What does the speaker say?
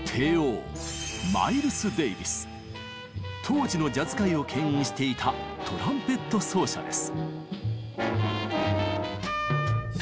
当時のジャズ界を牽引していたトランペット奏者です。